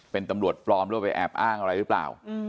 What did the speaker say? เป็นตำรวจปลอมหรือว่าไปแอบอ้างอะไรหรือเปล่า